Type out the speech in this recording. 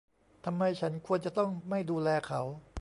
ทำไมฉันควรจะต้องไม่ดูแลเขา ?